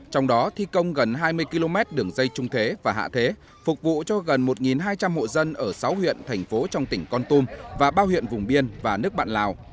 trong đó thi công gần hai mươi km đường dây trung thế và hạ thế phục vụ cho gần một hai trăm linh hộ dân ở sáu huyện thành phố trong tỉnh con tum và bao huyện vùng biên và nước bạn lào